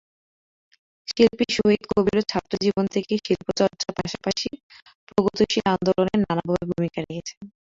শিল্পী শহিদ কবিরও ছাত্রজীবন থেকে শিল্পচর্চার পাশাপাশি প্রগতিশীল আন্দোলনে নানাভাবে ভূমিকা রেখেছেন।